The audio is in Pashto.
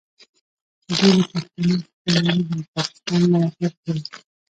دوی له پښتنو څخه ویریږي او پاکستان ملاتړ کوي